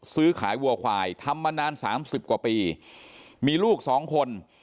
ซื้อขายวัวควายทำมานานสามสิบกว่าปีมีลูกสองคน